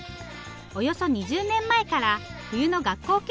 およそ２０年前から冬の学校